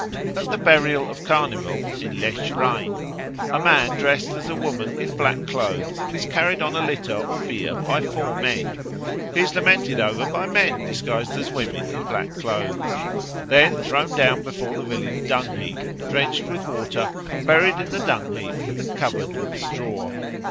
At the "Burial of Carnival" in Lechrain, a man dressed as a woman in black clothes is carried on a litter or bier by four men; he is lamented over by men disguised as women in black clothes, then thrown down before the village dung heap, drenched with water, buried in the dung heap, and covered with straw.